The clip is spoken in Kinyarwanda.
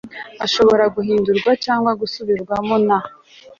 ashobora guhindurwa cyangwa gusubirwamo na